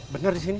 benar di sini